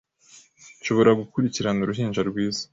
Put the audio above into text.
nshobora gukurikiranaUruhinja rwiza